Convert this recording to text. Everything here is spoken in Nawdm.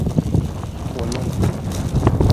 Wulung.